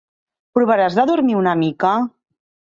Provaràs de dormir una mica?